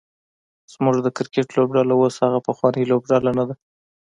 زمونږ د کرکټ لوبډله اوس هغه پخوانۍ لوبډله نده